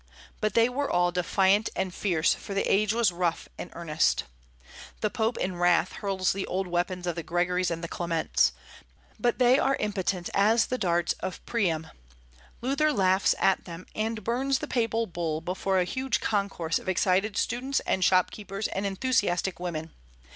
But they were all defiant and fierce, for the age was rough and earnest. The Pope, in wrath, hurls the old weapons of the Gregorys and the Clements. But they are impotent as the darts of Priam; Luther laughs at them, and burns the Papal bull before a huge concourse of excited students and shopkeepers and enthusiastic women.